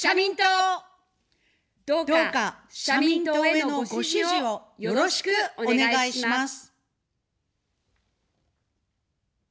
どうか社民党へのご支持をよろしくお願いします。